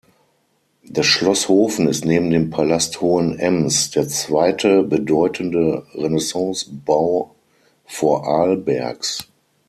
Das Schloss Hofen ist neben dem Palast Hohenems der zweite bedeutende Renaissance-Bau Vorarlbergs.